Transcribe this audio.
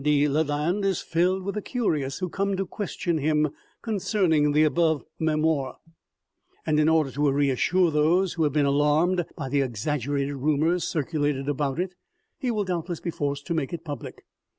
de Lalande is filled with the curious who come to question him concerning the above memoir, and, in order to reassure those who have been alarmed by the exaggerated rumors circulated about it, he will doubtless be forced to make it public.